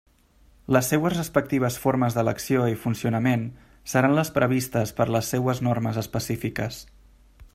Les seues respectives formes d'elecció i funcionament seran les previstes per les seues normes específiques.